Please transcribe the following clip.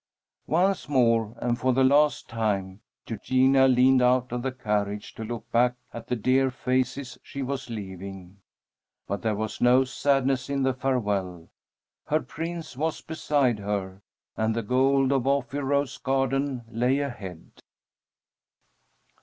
Once more, and for the last time, Eugenia leaned out of the carriage to look back at the dear faces she was leaving. But there was no sadness in the farewell. Her prince was beside her, and the Gold of Ophir rose garden lay ahead.